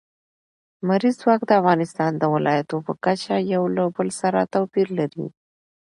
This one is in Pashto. لمریز ځواک د افغانستان د ولایاتو په کچه یو له بل سره توپیر لري.